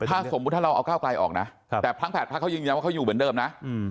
ถ้าสมมุติถ้าเราเอาก้าวไกลออกนะแต่ทั้ง๘พักเขายืนยันว่าเขาอยู่เหมือนเดิมนะ